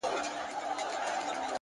هوډ د ستونزو تر شا رڼا ویني.!